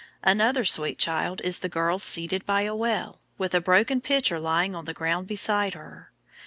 Another sweet child is the girl seated by a well, with a broken pitcher lying on the ground beside her.